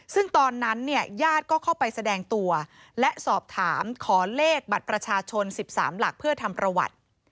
ซึ่งตอนนั้นเนี่ยญาติก็เข้าไปแสดงตัวและสอบถามขอเลขบัตรประชาชน๑๓หลักเพื่อทำประวัติ